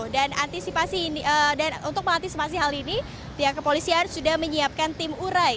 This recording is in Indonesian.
dan untuk mengantisipasi hal ini pihak kepolisian sudah menyiapkan tim urai